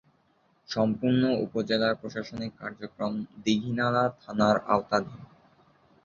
সম্পূর্ণ উপজেলার প্রশাসনিক কার্যক্রম দীঘিনালা থানার আওতাধীন।